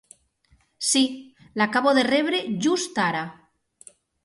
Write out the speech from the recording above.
Si, l'acabo de rebre just ara.